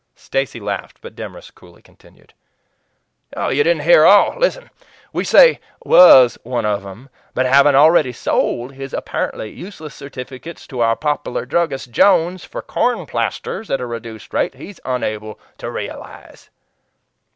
Stacy laughed, but Demorest coolly continued: "You didn't hear all. Listen! 'We say WAS one of them; but having already sold his apparently useless certificates to our popular druggist, Jones, for corn plasters, at a reduced rate, he is unable to realize.'"